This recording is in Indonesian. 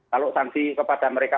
kalau sanksi kepada mereka